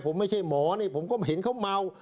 แต่ผมไม่ใช่หมอผมก็เห็นเขาเมา